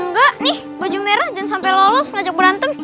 enggak nih baju merah jangan sampai lolos ngajak berantem